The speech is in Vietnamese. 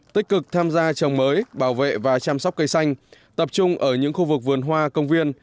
tích cực tham gia trồng mới bảo vệ và chăm sóc cây xanh tập trung ở những khu vực vườn hoa công viên